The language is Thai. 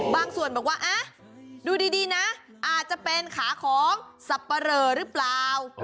ส่วนบอกว่าดูดีนะอาจจะเป็นขาของสับปะเหลอหรือเปล่า